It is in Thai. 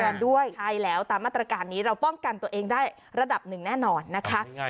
ด้วยใช่แล้วตามมาตรการนี้เราป้องกันตัวเองได้ระดับหนึ่งแน่นอนนะคะ